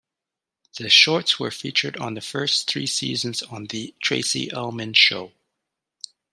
The shorts were featured on the first three seasons on "The Tracey Ullman Show".